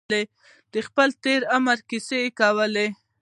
د خپل تېر عمر کیسې یې کولې.